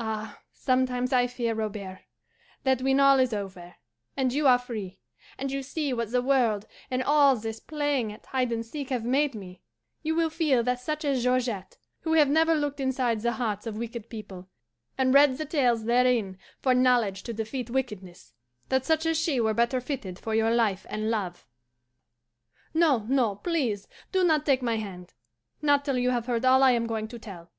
Ah, sometimes I fear, Robert, that when all is over, and you are free, and you see what the world and all this playing at hide and seek have made me, you will feel that such as Georgette, who have never looked inside the hearts of wicked people, and read the tales therein for knowledge to defeat wickedness that such as she were better fitted for your life and love. No, no, please do not take my hand not till you have heard all I am going to tell."